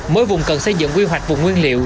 mỗi vùng cần xây dựng quy hoạch vùng nguyên liệu